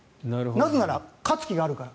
なぜなら、勝つ気があるから。